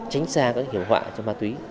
cảnh sát biển i